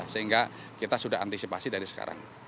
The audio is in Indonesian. sehingga kita sudah antisipasi dari sekarang